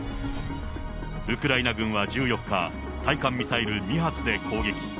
ウクライナ軍は１４日、対艦ミサイル２発で攻撃。